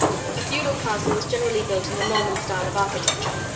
A feudal castle was generally built in the Norman style of architecture.